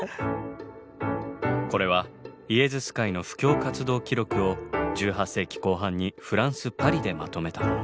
これはイエズス会の布教活動記録を１８世紀後半にフランス・パリでまとめたもの。